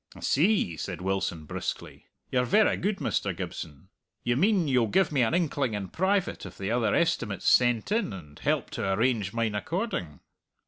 "I see," said Wilson briskly. "You're verra good, Mr. Gibson. You mean you'll give me an inkling in private of the other estimates sent in, and help to arrange mine according?"